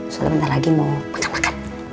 soalnya bentar lagi mau makan makan